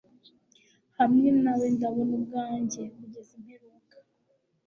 Hamwe nawe ndabona ubwanjye kugeza imperuka